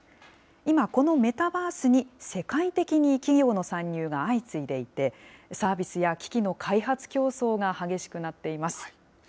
今、このメタバースに世界的に企業の参入が相次いでいて、サービスや機器の開発競争が激しくなっています。